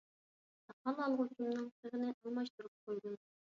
ساقال ئالغۇچۇمنىڭ تىغىنى ئالماشتۇرۇپ قويدۇم.